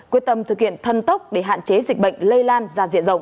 quyết tâm thực hiện thân tốc để hạn chế dịch bệnh lây lan ra diện rộng